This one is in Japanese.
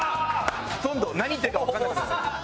ほとんど何言ってるかわかんなかったです。